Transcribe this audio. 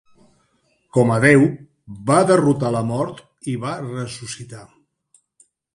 Com a Déu, va derrotar la mort i va ressuscitar.